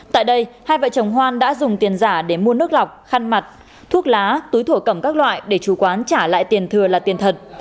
tại đây hai vợ chồng hoan đã dùng tiền giả để mua nước lọc khăn mặt thuốc lá túi thổ cẩm các loại để chủ quán trả lại tiền thừa là tiền thật